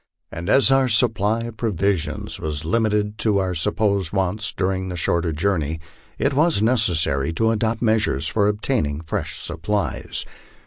And as our supply of provisions was limited to our sup posed wants during the shorter journey, it was necessary to adopt measures for obtaining fresh supplies.